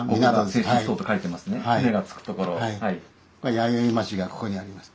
弥生町がここにあります。